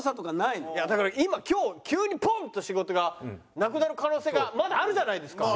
いやだから今今日急にポン！と仕事がなくなる可能性がまだあるじゃないですか。